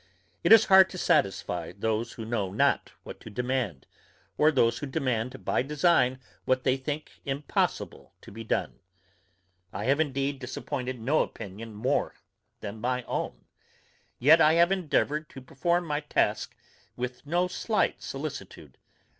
It is hard to satisfy those who know not what to demand, or those who demand by design what they think impossible to be done. I have indeed disappointed no opinion more than my own; yet I have endeavoured to perform my task with no slight solicitude.